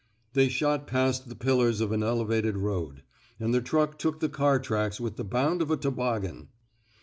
They shot past the pillars of an elevated road; and the truck took the car tracks with the bound of a toboggan.